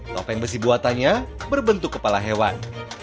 topeng besi buatannya berbentuk kepala hewan